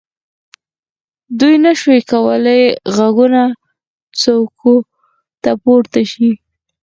دوی نه شوای کولای غرونو څوکو ته پورته شي.